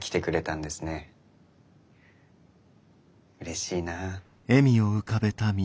うれしいなあ。